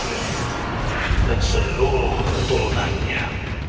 dan seluruh keturunannya